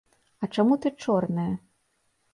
А чаму ты чорная?